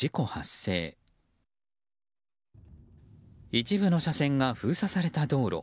一部の車線が封鎖された道路。